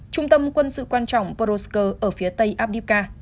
trung tâm quân sự quan trọng poroskoye ở phía tây abdybka